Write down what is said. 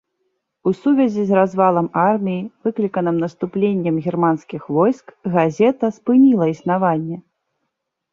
У сувязі з развалам арміі, выкліканым наступленнем германскіх войск, газета спыніла існаванне.